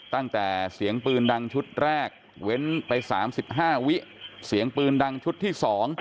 ตั้งแต่เสียงปืนดังชุดแรกเว้นไป๓๕วิเสียงปืนดังชุดที่๒